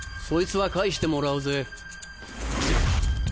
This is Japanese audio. そいつは返してもらうぜ。